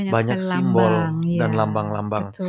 banyak simbol dan lambang lambang